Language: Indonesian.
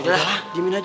yaudah lah diamin aja